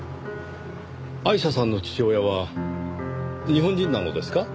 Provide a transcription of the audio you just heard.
アイシャさんの父親は日本人なのですか？